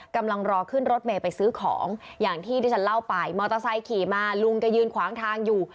กำลังรอขึ้นรถเมย์ไปซื้อของอย่างที่ที่ฉันเล่าไปมอเตอร์ไซค์ขี่มาลุงแกยืนขวางทางอยู่